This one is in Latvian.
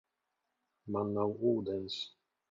Man nav ūdens.